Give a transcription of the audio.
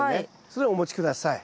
それをお持ち下さい。